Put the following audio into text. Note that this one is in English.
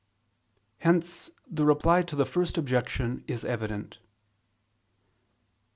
Hence the reply to the First Objection is evident.